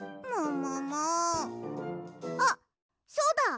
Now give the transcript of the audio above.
あっそうだ！